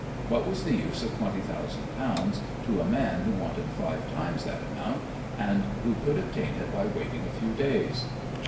What was the use of twenty thousand pounds to a man who wanted five times that amount, and who could obtain it by waiting a few days?